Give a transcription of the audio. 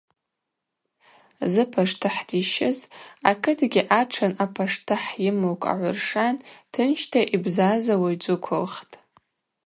Зыпаштыхӏ дищыз акытгьи атшын апаштыхӏ йымлыкв агӏвыршан тынчдза йбзазауа йджвыквылхтӏ.